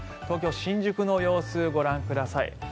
東京・新宿の様子ご覧ください。